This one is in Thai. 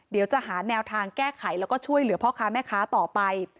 เดี๋ยวจะหาแนวทางแก้ไขแล้วก็ช่วยเหลือพ่อค้าแม่ค้าต่อไป